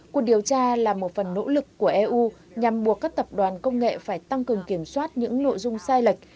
cuộc điều tra là một phần nỗ lực của eu nhằm buộc các tập đoàn công nghệ phải tăng cường kiểm soát những nội dung sai lệch